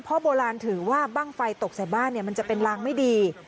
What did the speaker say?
เพราะโบราณถือว่าบ้างไฟตกใส่บ้านมันจะเป็นลางไม่ดี